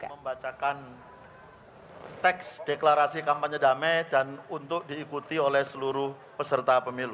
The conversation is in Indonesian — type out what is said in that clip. membacakan teks deklarasi kampanye damai dan untuk diikuti oleh seluruh peserta pemilu